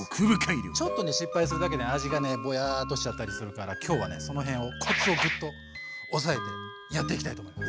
ちょっとね失敗するだけで味がねぼやっとしちゃったりするから今日はねその辺をやっていきたいと思います。